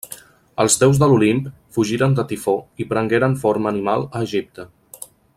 Els déus de l'Olimp fugiren de Tifó i prengueren forma animal a Egipte.